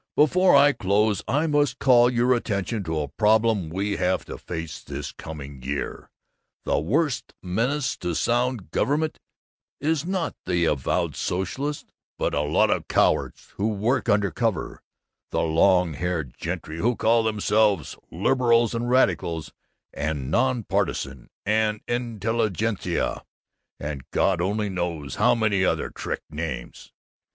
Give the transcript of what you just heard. Before I close I must call your attention to a problem we have to face, this coming year. The worst menace to sound government is not the avowed socialists but a lot of cowards who work under cover the long haired gentry who call themselves "liberals" and "radicals" and "non partisan" and "intelligentsia" and God only knows how many other trick names!